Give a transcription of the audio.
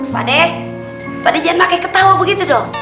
pak de pak de jangan pakai ketawa begitu dong